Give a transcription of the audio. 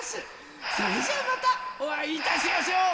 それじゃあまたおあいいたしやしょう！